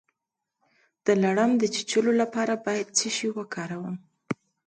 د لړم د چیچلو لپاره باید څه شی وکاروم؟